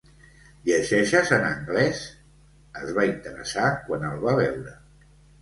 Llegeixes en anglès? —es va interessar quan el va veure.